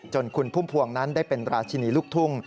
จนคุณพุ่มพวงนั้นได้เป็นราชินีลูกทุ่ง